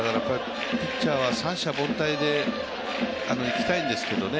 ピッチャーは三者凡退でいきたいんですけどね